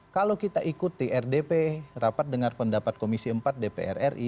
kalau kita ikuti rdp rapat dengar pendapat komisi empat dpr ri